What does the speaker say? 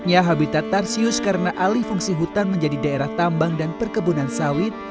ya habitat tarsius karena alih fungsi hutan menjadi daerah tambang dan perkebunan sawit